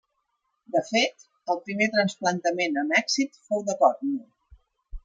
De fet, el primer trasplantament amb èxit fou de còrnia.